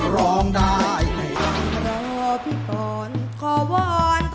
ร้องได้ให้ร้อง